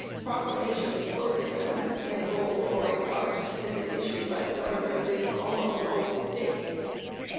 Proclamations temporarily closing them in whole or in part had been issued by the governors in almost all the states.